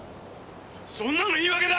そんなの言い訳だ！